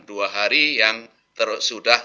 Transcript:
dua hari yang sudah